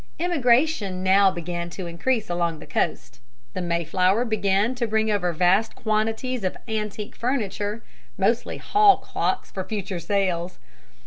Immigration now began to increase along the coast. The Mayflower began to bring over vast quantities of antique furniture, mostly hall clocks for future sales.